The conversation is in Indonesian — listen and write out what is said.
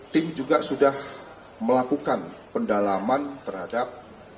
tim juga sudah melakukan pendalaman terhadap